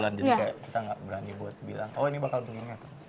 jadi kayak kita gak berani buat bilang oh ini bakal dungunya